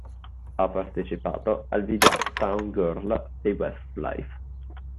Ha partecipato al video uptown girl dei Westlife